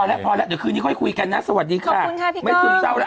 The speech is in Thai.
เดี๋ยวคืนนี้ค่อยคุยกันนะสวัสดีค่ะขอบคุณค่ะพี่ก้อไม่ซึมเจ้าแล้ว